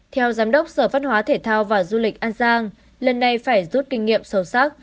theo giám đốc sở văn hóa thể thao và du lịch an giang lần này phải rút kinh nghiệm sâu sắc